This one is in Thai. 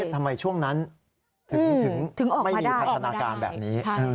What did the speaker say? ทำไมช่วงนั้นถึงไม่มีพันธนาการแบบนี้